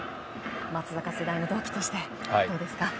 松坂世代の同期としてどうですか。